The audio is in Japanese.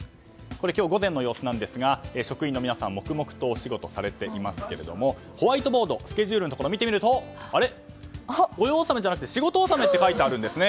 今日午前の様子ですが職員の皆さん、黙々とお仕事されていますけれどもホワイトボードのスケジュールを見てみるとあれ、御用納めじゃなくて仕事納めって書いてあるんですね。